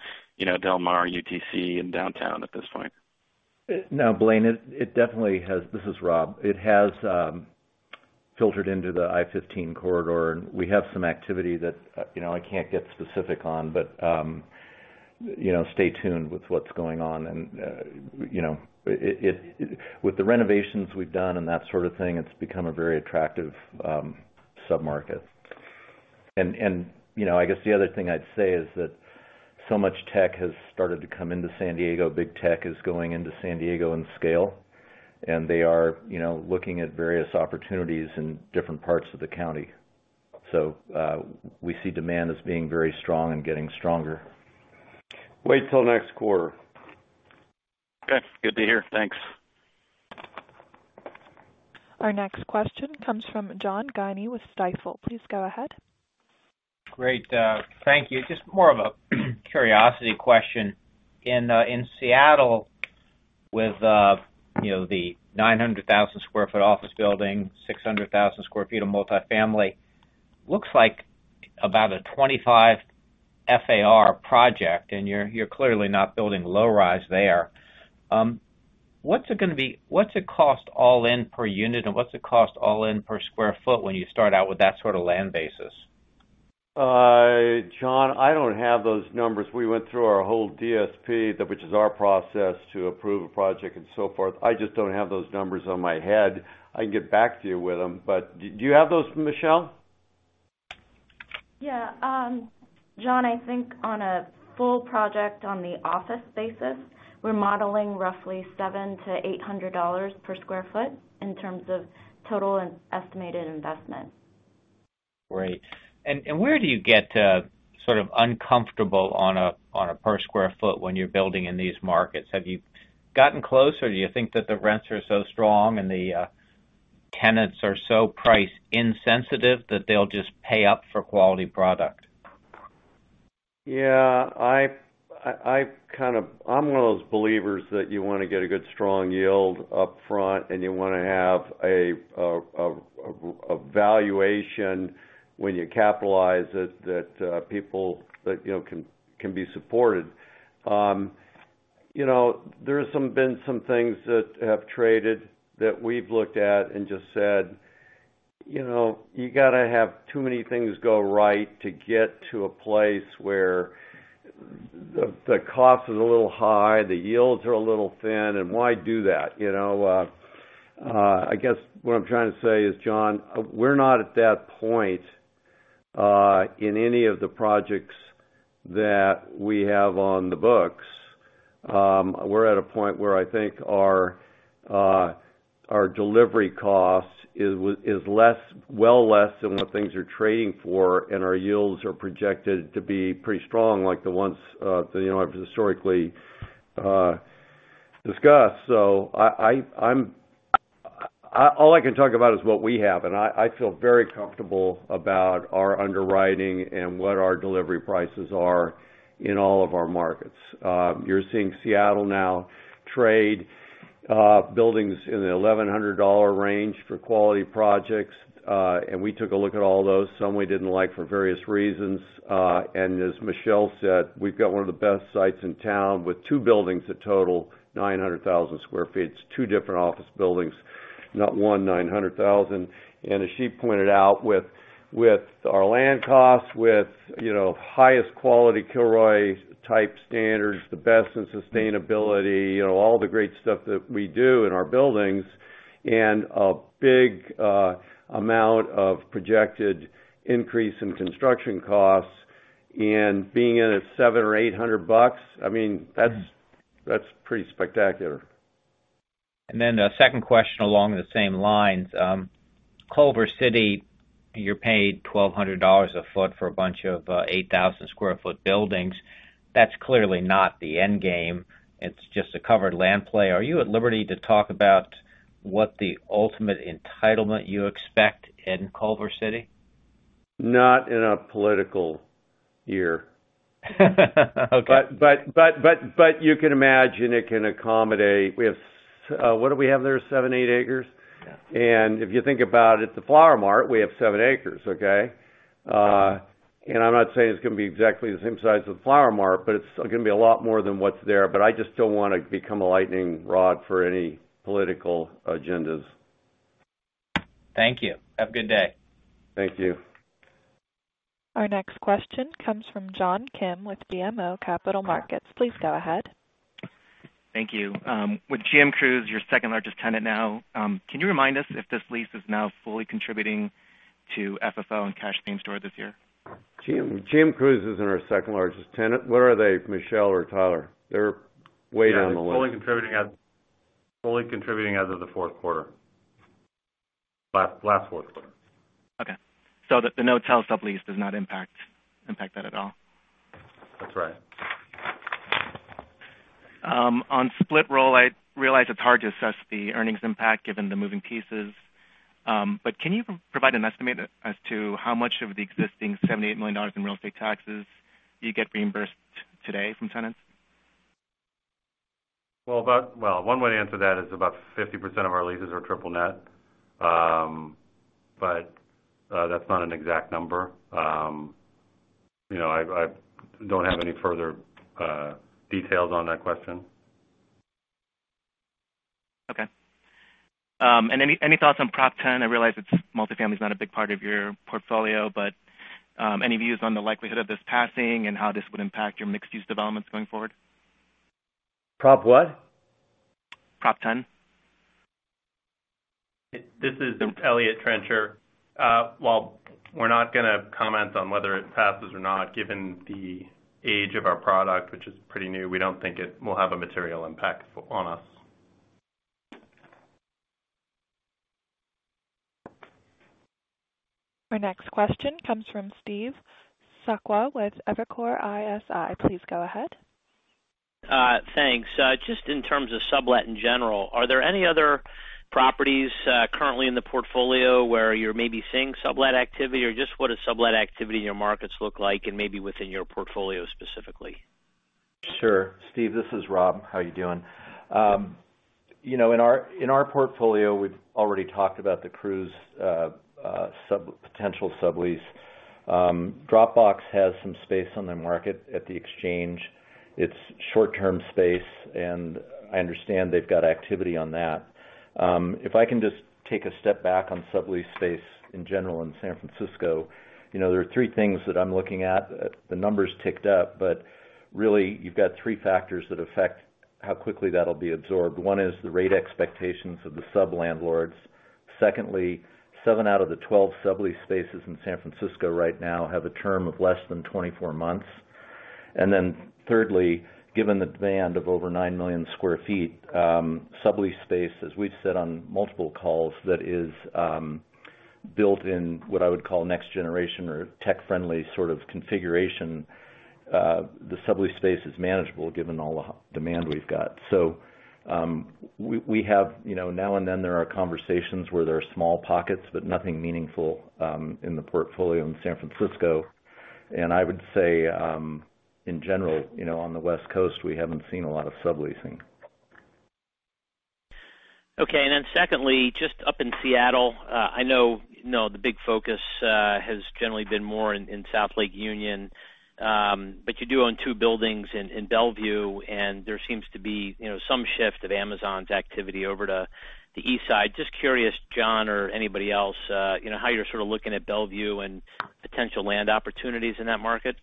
Del Mar, UTC, and downtown at this point? No, Blaine, it definitely has. This is Rob. It has filtered into the I-15 corridor. We have some activity that I can't get specific on, but stay tuned with what's going on. With the renovations we've done and that sort of thing, it's become a very attractive sub-market. I guess the other thing I'd say is that so much tech has started to come into San Diego. Big tech is going into San Diego in scale, and they are looking at various opportunities in different parts of the county. We see demand as being very strong and getting stronger. Wait till next quarter. Okay, good to hear. Thanks. Our next question comes from John Guinee with Stifel. Please go ahead. Great. Thank you. Just more of a curiosity question. In Seattle with the 900,000 sq ft office building, 600,000 sq ft of multifamily, looks like about a 25 FAR project, and you're clearly not building low rise there. What's it cost all-in per unit, and what's it cost all-in per sq ft when you start out with that sort of land basis? John, I don't have those numbers. We went through our whole DSP, which is our process to approve a project and so forth. I just don't have those numbers on my head. I can get back to you with them, but do you have those, Michelle? Yeah. John, I think on a full project on the office basis, we're modeling roughly $700-$800 per sq ft in terms of total estimated investment. Great. Where do you get sort of uncomfortable on a per sq ft when you're building in these markets? Have you gotten close, or do you think that the rents are so strong and the tenants are so price insensitive that they'll just pay up for quality product? Yeah. I'm one of those believers that you want to get a good, strong yield up front, and you want to have a valuation when you capitalize it, that can be supported. There's been some things that have traded that we've looked at and just said, "You've got to have too many things go right to get to a place where the cost is a little high, the yields are a little thin, and why do that?" I guess what I'm trying to say is, John, we're not at that point in any of the projects that we have on the books. We're at a point where I think our delivery cost is well less than what things are trading for, and our yields are projected to be pretty strong like the ones I've historically discussed. All I can talk about is what we have, and I feel very comfortable about our underwriting and what our delivery prices are in all of our markets. You're seeing Seattle now trade buildings in the $1,100 range for quality projects. We took a look at all those. Some we didn't like for various reasons. As Michelle said, we've got one of the best sites in town with two buildings that total 900,000 sq ft. It's two different office buildings, not one 900,000. As she pointed out, with our land costs, with highest quality Kilroy-type standards, the best in sustainability, all the great stuff that we do in our buildings, and a big amount of projected increase in construction costs, and being in at $700 or $800, that's pretty spectacular. A second question along the same lines. Culver City, you paid $1,200 a foot for a bunch of 8,000 sq ft buildings. That's clearly not the end game. It's just a covered land play. Are you at liberty to talk about what the ultimate entitlement you expect in Culver City? Not in a political year. Okay. You can imagine it can accommodate What do we have there? Seven, eight acres? Yeah. If you think about it, the Flower Mart, we have seven acres, okay? I'm not saying it's going to be exactly the same size as the Flower Mart, but it's going to be a lot more than what's there. I just don't want to become a lightning rod for any political agendas. Thank you. Have a good day. Thank you. Our next question comes from John Kim with BMO Capital Markets. Please go ahead. Thank you. With GM Cruise, your second-largest tenant now, can you remind us if this lease is now fully contributing to FFO and cash paying store this year? GM Cruise isn't our second-largest tenant. What are they, Michelle or Tyler? They're way down the list. Yeah, fully contributing as of the fourth quarter. Last fourth quarter. Okay. the Nortel sublease does not impact that at all. That's right. On split roll, I realize it's hard to assess the earnings impact given the moving pieces. Can you provide an estimate as to how much of the existing $78 million in real estate taxes you get reimbursed today from tenants? Well, one way to answer that is about 50% of our leases are triple net. That's not an exact number. I don't have any further details on that question. Okay. Any thoughts on Prop 10? I realize multifamily is not a big part of your portfolio, but any views on the likelihood of this passing and how this would impact your mixed-use developments going forward? Prop what? Prop 10. This is Eliott Trencher. While we're not going to comment on whether it passes or not, given the age of our product, which is pretty new, we don't think it will have a material impact on us. Our next question comes from Steve Sakwa with Evercore ISI. Please go ahead. Thanks. Just in terms of sublet in general, are there any other properties currently in the portfolio where you're maybe seeing sublet activity? Just what does sublet activity in your markets look like, and maybe within your portfolio specifically? Sure. Steve, this is Rob. How are you doing? In our portfolio, we've already talked about the Cruise potential sublease. Dropbox has some space on the market at the Exchange. It's short-term space. I understand they've got activity on that. If I can just take a step back on sublease space in general in San Francisco, there are three things that I'm looking at. The numbers ticked up. Really, you've got three factors that affect how quickly that'll be absorbed. One is the rate expectations of the sublandlords. Secondly, seven out of the 12 sublease spaces in San Francisco right now have a term of less than 24 months. Thirdly, given the demand of over 9 million sq ft, sublease space, as we've said on multiple calls, that is built in what I would call next generation or tech-friendly sort of configuration. The sublease space is manageable given all the demand we've got. We have, now and then there are conversations where there are small pockets, but nothing meaningful in the portfolio in San Francisco. I would say, in general, on the West Coast, we haven't seen a lot of subleasing. Secondly, just up in Seattle, I know the big focus has generally been more in South Lake Union. You do own two buildings in Bellevue, and there seems to be some shift of Amazon's activity over to the east side. Just curious, John or anybody else, how you're sort of looking at Bellevue and potential land opportunities in that market.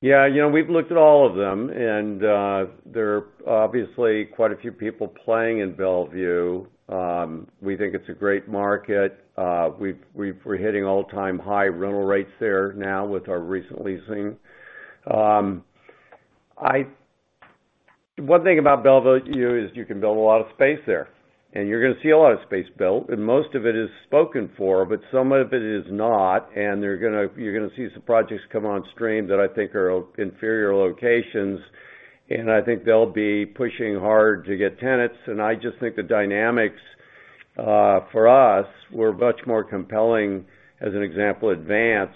Yeah. We've looked at all of them. There are obviously quite a few people playing in Bellevue. We think it's a great market. We're hitting all-time high rental rates there now with our recent leasing. One thing about Bellevue is you can build a lot of space there. You're going to see a lot of space built, and most of it is spoken for, but some of it is not. You're going to see some projects come on stream that I think are inferior locations, and I think they'll be pushing hard to get tenants. I just think the dynamics for us were much more compelling, as an example, Vance.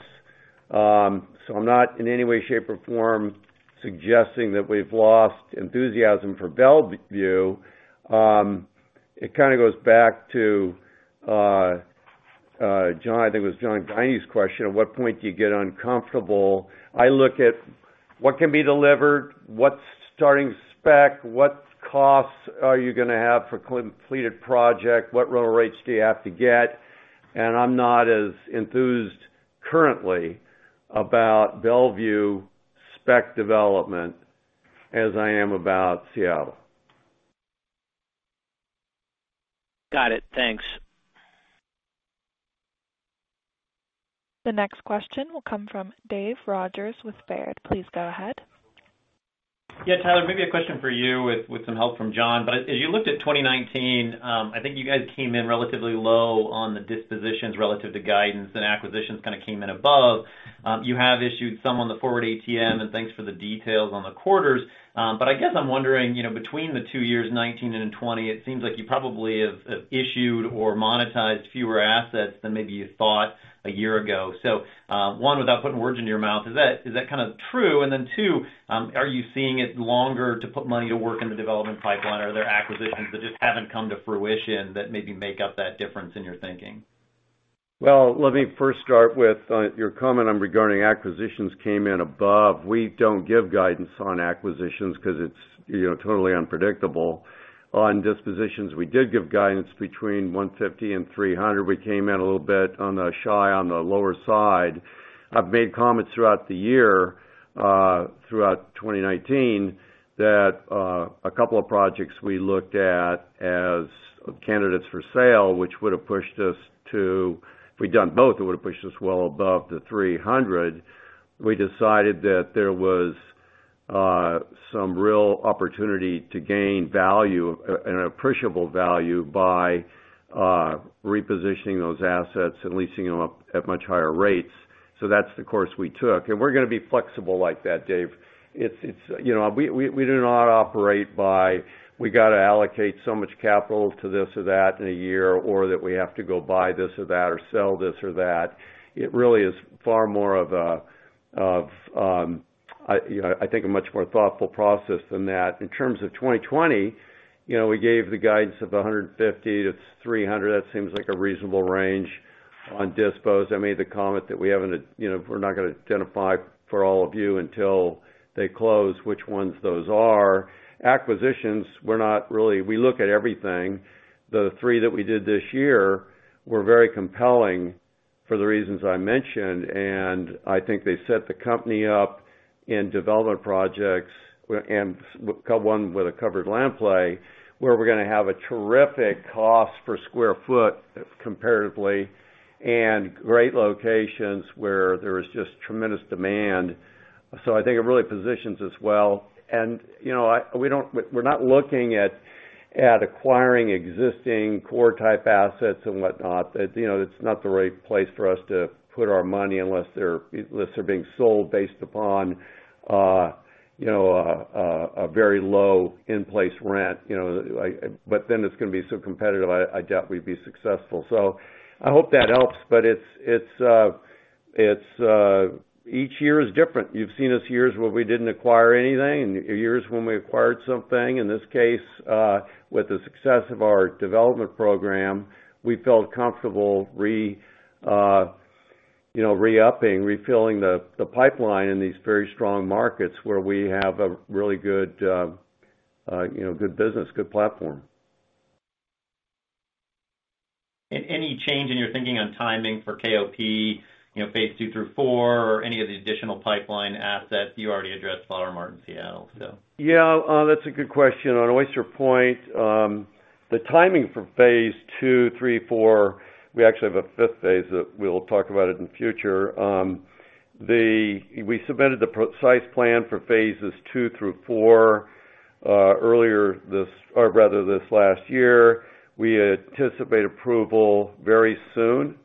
I'm not in any way, shape, or form suggesting that we've lost enthusiasm for Bellevue. It kind of goes back to, I think it was John Guinee's question, at what point do you get uncomfortable? I look at what can be delivered, what's starting spec, what costs are you going to have for completed project, what rental rates do you have to get? I'm not as enthused currently about Bellevue spec development as I am about Seattle. Got it. Thanks. The next question will come from Dave Rogers with Baird. Please go ahead. Tyler, maybe a question for you with some help from John. As you looked at 2019, I think you guys came in relatively low on the dispositions relative to guidance, and acquisitions kind of came in above. You have issued some on the forward ATM, and thanks for the details on the quarters. I guess I'm wondering, between the two years, 2019 and 2020, it seems like you probably have issued or monetized fewer assets than maybe you thought a year ago. One, without putting words in your mouth, is that kind of true? Two, are you seeing it longer to put money to work in the development pipeline? Are there acquisitions that just haven't come to fruition that maybe make up that difference in your thinking? Let me first start with your comment regarding acquisitions came in above. We don't give guidance on acquisitions because it's totally unpredictable. On dispositions, we did give guidance between $150-$300. We came in a little bit on the lower side. I've made comments throughout the year, throughout 2019, that a couple of projects we looked at as candidates for sale. If we'd done both, it would've pushed us well above the $300. We decided that there was some real opportunity to gain value and appreciable value by repositioning those assets and leasing them up at much higher rates. That's the course we took. We're going to be flexible like that, Dave. We do not operate, we got to allocate so much capital to this or that in a year, or that we have to go buy this or that or sell this or that. It really is far more of a, I think, a much more thoughtful process than that. In terms of 2020, we gave the guidance of $150-$300. That seems like a reasonable range. On dispo, I made the comment that we're not going to identify for all of you until they close which ones those are. Acquisitions, we look at everything. The three that we did this year were very compelling for the reasons I mentioned, and I think they set the company up in development projects, and one with a covered land play, where we're going to have a terrific cost per sq ft comparatively, and great locations where there is just tremendous demand. I think it really positions us well. We're not looking at acquiring existing core-type assets and whatnot. It's not the right place for us to put our money unless they're being sold based upon a very low in-place rent. It's going to be so competitive, I doubt we'd be successful. I hope that helps. Each year is different. You've seen us years where we didn't acquire anything and years when we acquired something. In this case, with the success of our development program, we felt comfortable re-upping, refilling the pipeline in these very strong markets where we have a really good business, good platform. Any change in your thinking on timing for KOP, phase II through IV, or any of the additional pipeline assets you already addressed, Flower Mart in Seattle? Yeah. That's a good question. On Oyster Point, the timing for phase II III, IV, we actually have a fifth phase that we'll talk about it in future. We submitted the precise plan for phases II through IV earlier this, or rather, this last year. We anticipate approval very soon.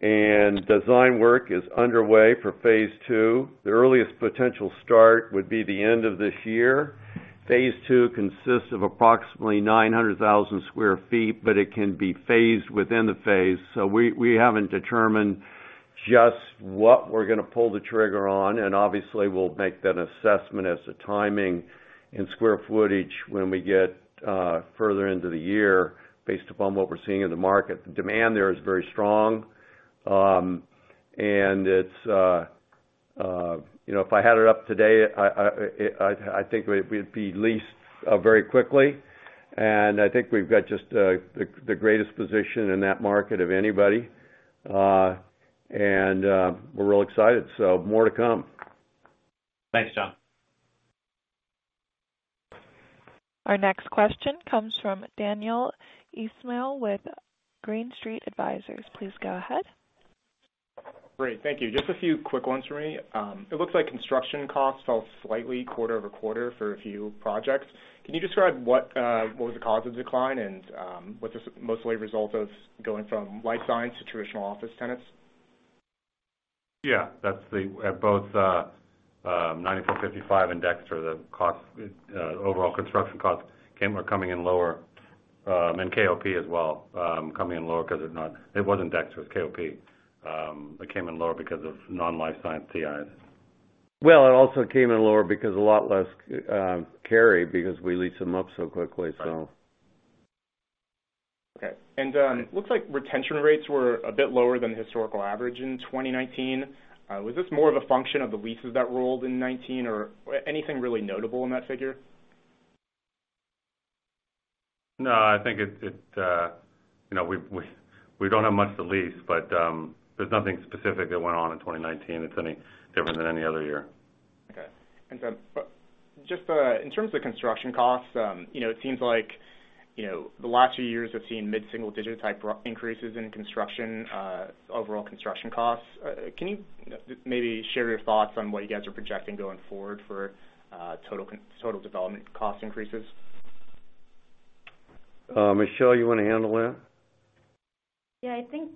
Design work is underway for phase II. The earliest potential start would be the end of this year. Phase II consists of approximately 900,000 sq ft, but it can be phased within the phase. We haven't determined just what we're going to pull the trigger on, and obviously, we'll make that assessment as the timing and sq footage when we get further into the year based upon what we're seeing in the market. The demand there is very strong. If I had it up today, I think it would be leased very quickly, and I think we've got just the greatest position in that market of anybody. We're real excited, so more to come. Thanks, John. Our next question comes from Daniel Ismail with Green Street Advisors. Please go ahead. Great. Thank you. Just a few quick ones for me. It looks like construction costs fell slightly quarter-over-quarter for a few projects. Can you describe what was the cause of decline, and was this mostly a result of going from life science to traditional office tenants? Yeah. At both 9455 and Dexter, the overall construction costs are coming in lower, and KOP as well, coming in lower. It wasn't Dexter. It's KOP. It came in lower because of non-life science TIs. Well, it also came in lower because a lot less carry because we leased them up so quickly. Okay. It looks like retention rates were a bit lower than the historical average in 2019. Was this more of a function of the leases that rolled in 2019, or anything really notable in that figure? No, I think we don't have much to lease, but there's nothing specific that went on in 2019 that's any different than any other year. Okay. Just in terms of construction costs, it seems like the last few years have seen mid-single-digit type increases in overall construction costs. Can you maybe share your thoughts on what you guys are projecting going forward for total development cost increases? Michelle, you want to handle that? Yeah, I think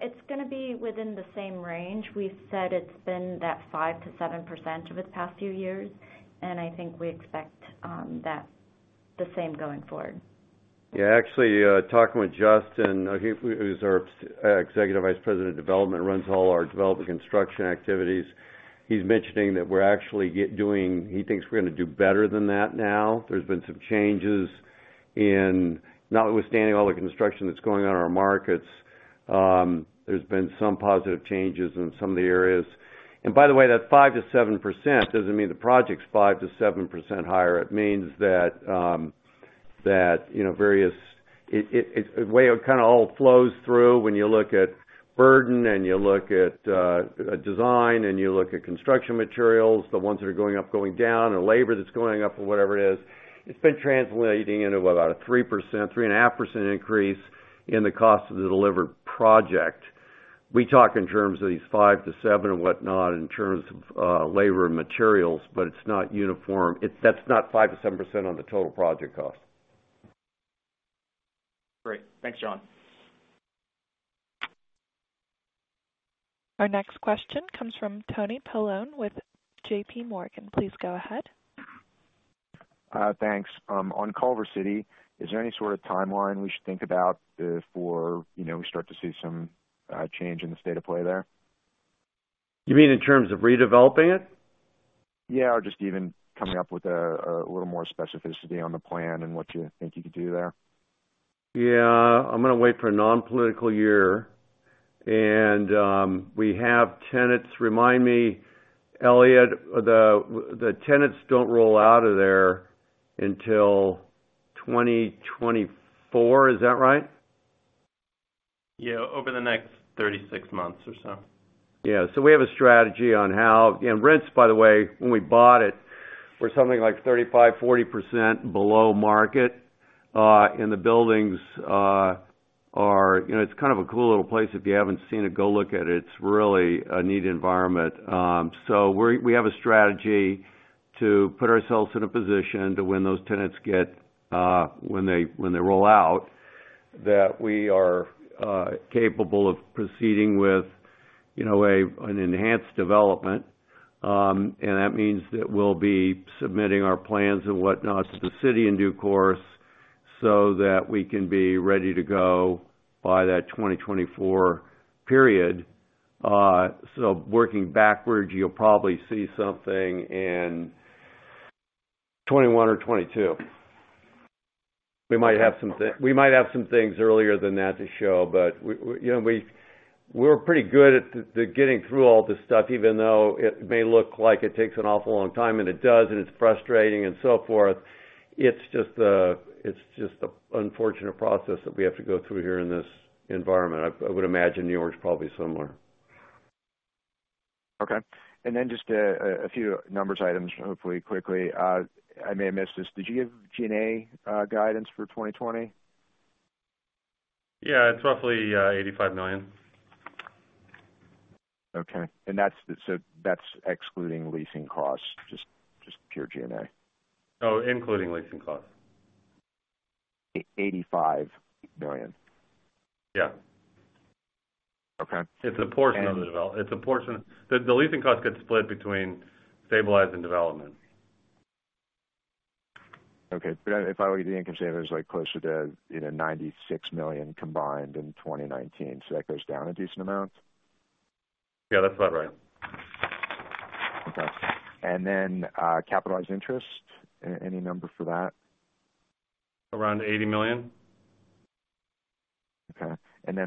it's going to be within the same range. We've said it's been that 5%-7% over the past few years. I think we expect the same going forward. Yeah. Actually, talking with Justin, who's our executive vice president of development, runs all our development construction activities. He's mentioning that he thinks we're going to do better than that now. There's been some changes in, notwithstanding all the construction that's going on in our markets, there's been some positive changes in some of the areas. By the way, that 5%-7% doesn't mean the project's 5%-7% higher. It means that it kind of all flows through when you look at burden, and you look at design, and you look at construction materials, the ones that are going up, going down, or labor that's going up, or whatever it is. It's been translating into about a 3%-3.5% increase in the cost of the delivered project. We talk in terms of these five to seven and whatnot in terms of labor and materials, but it's not uniform. That's not 5%-7% on the total project cost. Great. Thanks, John. Our next question comes from Tony Paolone with JPMorgan. Please go ahead. Thanks. On Culver City, is there any sort of timeline we should think about before we start to see some change in the state of play there? You mean in terms of redeveloping it? Yeah, or just even coming up with a little more specificity on the plan and what you think you could do there. Yeah. I'm going to wait for a non-political year. We have tenants. Remind me, Eliott, the tenants don't roll out of there until 2024. Is that right? Yeah. Over the next 36 months or so. Yeah. We have a strategy on how. Rents, by the way, when we bought it, were something like 35%-40% below market. The buildings, it's kind of a cool little place. If you haven't seen it, go look at it. It's really a neat environment. We have a strategy to put ourselves in a position to when they roll out, that we are capable of proceeding with an enhanced development. That means that we'll be submitting our plans and whatnot to the city in due course so that we can be ready to go by that 2024 period. Working backwards, you'll probably see something in 2021 or 2022. We might have some things earlier than that to show. We're pretty good at the getting through all this stuff, even though it may look like it takes an awful long time, and it does, and it's frustrating and so forth. It's just the unfortunate process that we have to go through here in this environment. I would imagine New York's probably similar. Okay. Just a few numbers items, hopefully quickly. I may have missed this. Did you give G&A guidance for 2020? Yeah. It's roughly $85 million. Okay. That's excluding leasing costs, just pure G&A? No, including leasing costs. $85 million? Yeah. Okay. It's a portion of the development. The leasing cost gets split between stabilized and development. Okay. If I look at the income statement, it's closer to $96 million combined in 2019. That goes down a decent amount? Yeah, that's about right. Okay. Capitalized interest, any number for that? Around $80 million. Okay.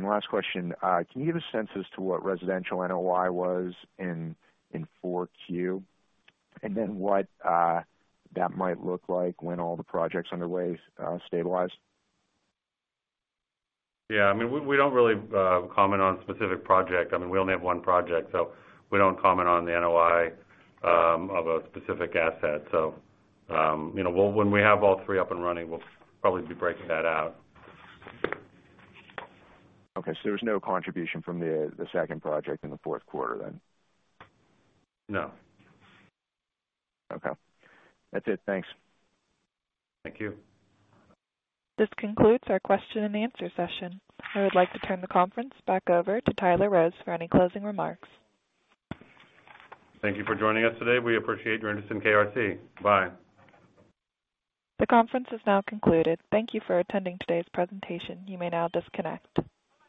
Last question, can you give a sense as to what residential NOI was in 4Q? What that might look like when all the projects underway stabilize? Yeah. We don't really comment on a specific project. We only have one project, so we don't comment on the NOI of a specific asset. When we have all three up and running, we'll probably be breaking that out. Okay. There's no contribution from the second project in the fourth quarter then? No. Okay. That's it. Thanks. Thank you. This concludes our question and answer session. I would like to turn the conference back over to Tyler Rose for any closing remarks. Thank you for joining us today. We appreciate your interest in KRC. Bye. The conference is now concluded. Thank you for attending today's presentation. You may now disconnect.